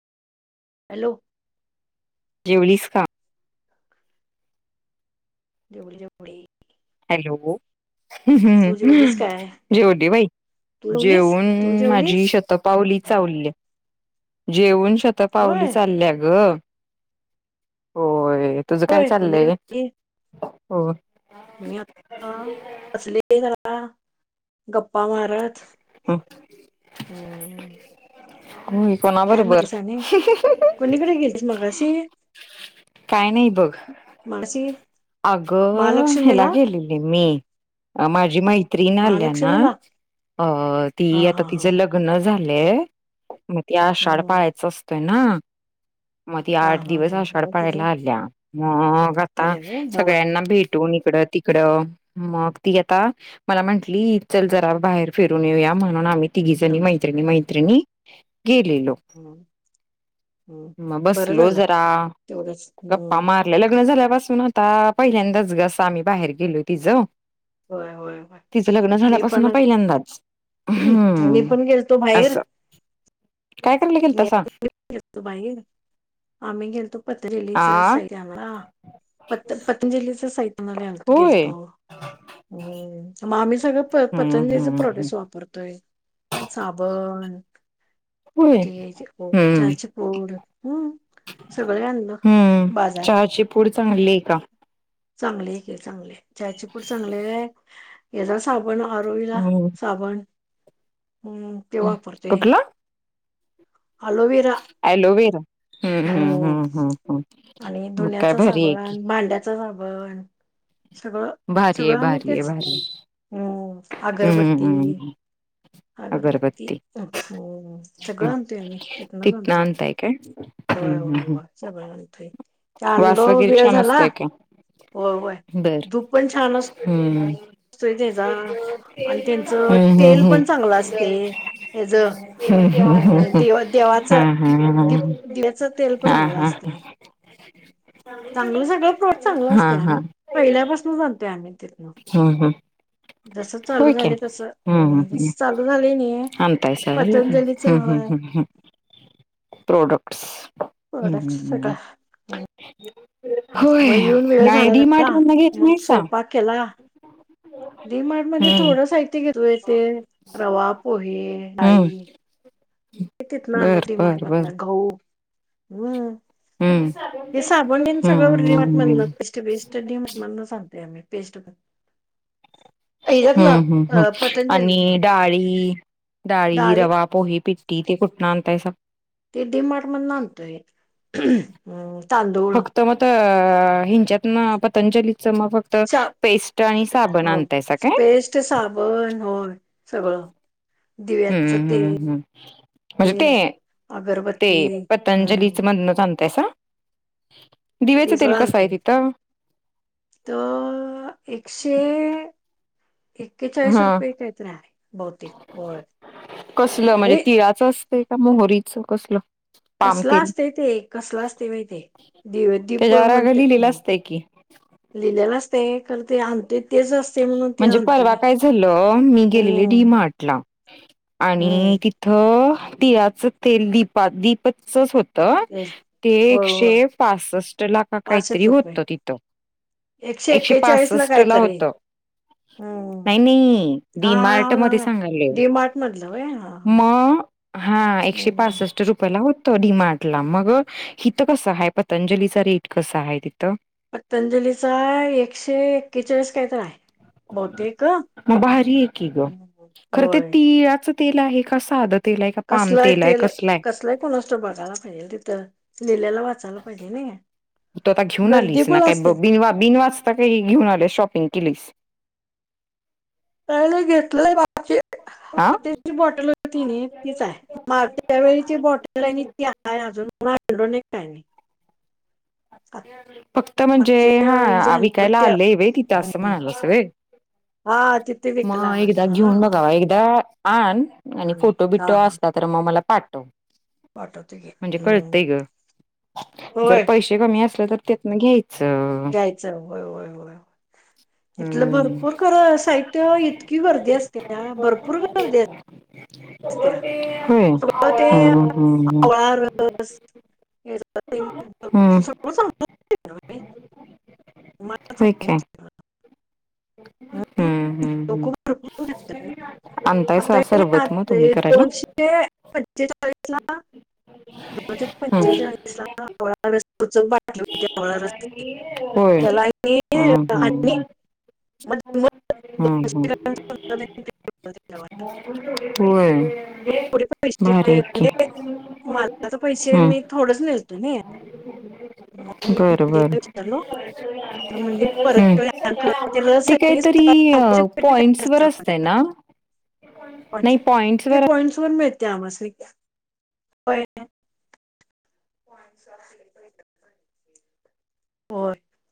Hello जेवलीस का जेवढ जेवढ हॅलो... तू जेवलीस हां... काय जेवते बाई तू जेवलीस जेवून तू माझी जेवलीस शतक पावली चावलल्या जेवन स्तः पावली होय चालल्या ग होय... तुझं काय होय चाललय. कोणीकडे हो मी आता अससले करा गप्पा मारत... हम होयकोणा काय म्हतीस आणि कोणीकडे गेलीस मगशी काय नाही बघ माशी अगं ह्याला गेलेली मी माझी मैत्री नाही आल्या ना महालक्ष्मीला अ ती हा हा आता हा तिचं लग् लग्न झालेय मग ते आषाढ हम्म पाळायच असतोय ना मग ती हा आठ हा दिवस हा आषाढ मग पाळायला तुझं आल्या मग आता आल्या व्हय हा सगळ्यांना भेटून इकडं तिकडं मग ती आता मला म्हंटली चल जरा बाहेर फिरून येऊया म्हणून आम्ही तिघीजनी फिरवली मैत्रिणी मैत्रिणी गेलेलोक हम्म हम्म म बस बरं लो झालं जरा तेवढंच गप्पा हम्म मार आपलं लग्न झाल्यापासून आता पहिल्यांदाच गस आम्ही बाहेर गेलो तिझं होय होय तिचं लग्न मी झाल्यापासून पण ना पहिल्यांदाच मी हम् पण गेलतो बाहेर असं काय करायला गेल मी तसा गो बाई आम्ही गेलतो पतजेलीच्या आ साईड आम्हाला पत पतंजलीचे सैतनाल होय ेो मग आम्ही सगळं प हम्म पतंजलीच हम्म प्रोडक्ट वापरतोय साबण होय ते ते हम्म चचे पोड हम् सगळं आणलं हम्म बाजार चहाची पूड चांगली आहे का चांगले एक आहे चांगले चचायचीिपूड चांगले आहे हचा साबण आरोईला हम्म साबण ह ते वापरते हे कुठलं अलोवेरा एॲलोवेरा हम्म आणि मग काय धुण्याच भारी आहे की साबण भांड्या ण सगळं भारी ये आहे सगळं आम्ही भार येे तेच भारी आहे हम्म अगरबत्ती हम्मम्म् अगरबत्ती हम्म. हम् सगळं आणतोय आम्ही तिथनच तिक ना आणतोय अंतय काय हम्म हम् हम् सय आणतई चांड वेळ छान झाला असतोय का होय होय बर दूप पण छान असत हम्म असतोय त्याचा आणि त्यांचं हम्म हम्म तेल पण हम्म चांगलं असते ह ज् हम्म देव देवाचं हम्म हम्म दिप हम्म दिव्याचा तेल पण चांगला असते हो चांगलं सगळ प्रोट चांगलं असते हा आम्ही पहिल्यापासूनच बनतोय आम्ही तिथनं हा हा जसं चालू होयके झाले तसं हम्म हम् जसं चालू झाले नाही हम् अंतयसर पतंजलीचे हम् हम् होय हम् हम् प्रोडक्ट्स हम्म प्रोडक्ट हम्म सगळं हम् होय मग येऊन वेळ नाय झाला डी मार्ट ना म्हण घेत नाही मग सां केला डी मार्ट मध्ये हम्म थोडं साहित्य घेतो य ते रवा पोहे हम्म ळी कितीच ना न बर त बर मार्फत बर ना घऊ हम्म हम्म हे साबण हम्म सगळंवरिमात हम्म म्हण बेस् बेस्ट स्टडिम मणून सांगते आ मी पेस्ट ह्याच्यातनं हम्म हम्म अ हम् आणि पतंजलीतनं डाळी डाळी रवा पोहे प टी ते कुटनाय स ते डी मार्ट मदना आणतोय तांदूळ तर मगत हिंच्यात ना पतंजलीच मग फ तर सा पेस्ट आणि साबण हो आणताय स काय पेस्ट साबण होय सगळं दिव्याचं हम्मम तेल हम्मम् हम् म्हणजे ते ते अगरबत्ती हम्म पतंजलीच मधन तायस ते वळां आहे तिथं तर एकशे एकेचाळीस हा रुपये काहीत रे बहतेिक व हे असत का मोहरीच कसलं पाम कसला तेल असते ते कसला असते माहि ते दि दीप म्हणते हं. तलास्त क लिहिलेलं असते करते आण ते तेच असते म्हणून ते म्हणजे आणत मी हम् टला आणि तिथ तिळाच तेल दीप दीपचच होत तेच ते होय एकशे होय पासष्ट लाख पासष्ट काहीतरी रुपये होतं तिथं एकशे एक्केचाळीस ला काहीतरी होतं हम्म नाही नाही हा हा डीमार्ट हा मध्ये हा सांगाल डी मार्ट मधलं व्हय हा हा मग हा एकशे हम्म पासष्ट रुप होत डमारड ला मग हिथं कसं आहे पतंजलीचा रेट कस आहे तिथं पतंजलीचा एकशे एक्केचाळीस काय तर आहे बहुतेक मग भारी आहेी ग हं खरं ते होय तिळाच तेल आहे का साधं तेल आहे का पाम तेल आहे कसलाय कोणष्टत बघायला पाहिजे तिथं लिहिल्याला वाचायला पाहिजे ना आता घेऊन आलीस ना का ब बिनवा बिनवाजता काही घेऊन आले शॉपिंग केलीस का नाही घेतलं बा हा ी बॉटल होती ना तीच आहे माग वेळीची बॉटल आहे आणि ती आहे अजून तड काय नाही फक्त म्हणजे मागच्या वेळी जे हा आणलो विकायला त्या आले व तिथं असं म्हणालं अस हा तिथे विकला मग आले एकदा हा घेऊन बघावा एकदा आण आणि फोटो हा बिटो असत तर मग मला पाठव पाठवते घे म्हणजे हम् होय पै कमी असले तर त्यान घयच घ्यायचं होय होय होय तथलं हम्म भरपूर ख साहित्य इतकी गर्दी असते ना भरपूर गर्दी असते स्त्या होय सगळ ते हम्म हम्म आवळ ब हम्म सगळ सांगत होय काय. [unintelligible] हम्म हम्म. [unintelligible] आणतायसा सरबत मग तुम्ही करायला दोनशे पंचेचाळीसला दोनशे हम्म पंचेचाळीसवळाकटली होतीवळ होय हम् आणि हम् मग हम्म हम्म दोनशे ग्रॅमचा अंदाज आणि ते करून दिला. होय. भारी आहे की [unintelligible] मालाचे पैसे हम्म. मी थोडच नेलतो नायी. बर बर. विचारलो तर म्हणली परत ते रस ते आहे की काहीतरी सकाळी आंबोशी पेटी प्यायची पॉइंटस वर असते असतं माझ्या ना? नाही ते पॉइंट्सवर पॉइंट्स वर मिळते आमम्हासणी. [unintelligible] होय.